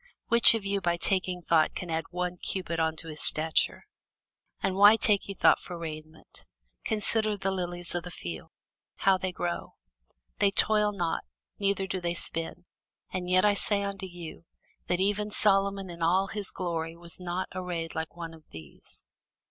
Which of you by taking thought can add one cubit unto his stature? And why take ye thought for raiment? Consider the lilies of the field, how they grow; they toil not, neither do they spin: and yet I say unto you, That even Solomon in all his glory was not arrayed like one of these.